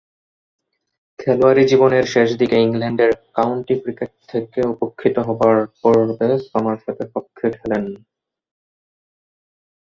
খেলোয়াড়ী জীবনের শেষদিকে ইংল্যান্ডের কাউন্টি ক্রিকেট থেকে উপেক্ষিত হবার পূর্বে সমারসেটের পক্ষে খেলেন।